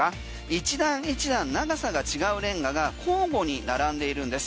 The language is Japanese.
一段一段長さが違うレンガが交互に並んでいるんです。